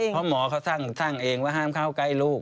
เพราะหมอเขาสร้างเองว่าห้ามเข้าใกล้ลูก